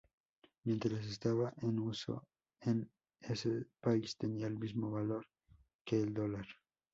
Mientras estaba en uso en ese país tenía el mismo valor que el dólar.